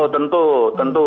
oh tentu tentu